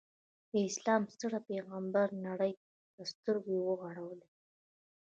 د اسلام ستر پیغمبر نړۍ ته سترګې وغړولې.